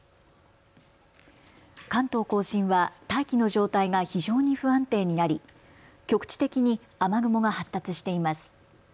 関東甲信は大気の状態が非常に不安定になり局地的に雨雲が発達しています。